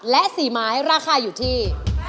และ๔ไม้ราคาอยู่ที่